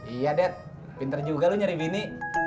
iya dad pinter juga lu nyari bini